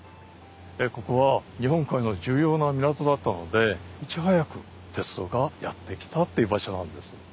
ここは日本海の重要な港だったのでいち早く鉄道がやって来たという場所なんです。